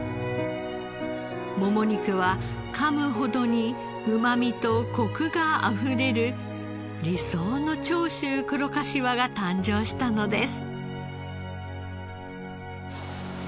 もも肉はかむほどにうまみとコクがあふれる理想の長州黒かしわが誕生したのです。